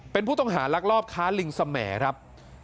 เป็นผู้ต้องหารักรอบค้าลิงสมัยครับ